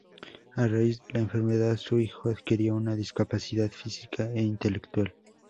A raíz de la enfermedad, su hijo adquirió una discapacidad física e intelectual.